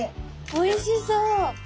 おいしそう！